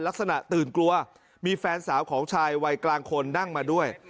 ลักษณะตื่นกลัวมีแฟนสาวของชายวัยกลางคนนั่งมาด้วย